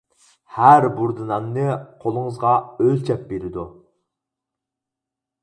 ھەر بۇردا ناننى «قولىڭىزغا ئۆلچەپ» بېرىدۇ!